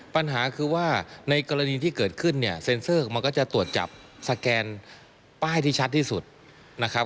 ปัญหาคือว่าในกรณีที่เกิดขึ้นเนี่ยเซ็นเซอร์ของมันก็จะตรวจจับสแกนป้ายที่ชัดที่สุดนะครับ